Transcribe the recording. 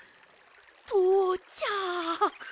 とうちゃく。